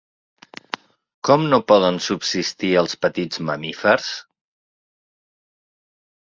Com no poden subsistir els petits mamífers?